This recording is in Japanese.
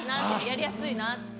やりやすいなって。